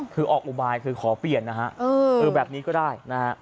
คือออกอุบายคือขอเปลี่ยนนะฮะแบบนี้ก็ได้นะฮะ